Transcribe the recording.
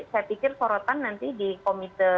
saya pikir sorotan nanti di komite